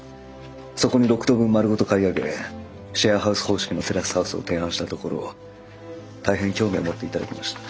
そこに６棟分丸ごと買い上げシェアハウス方式のテラスハウスを提案したところ大変興味を持っていただきました。